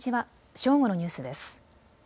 正午のニュースです。